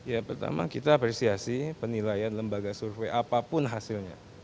ya pertama kita apresiasi penilaian lembaga survei apapun hasilnya